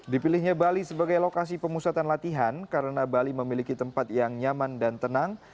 dipilihnya bali sebagai lokasi pemusatan latihan karena bali memiliki tempat yang nyaman dan tenang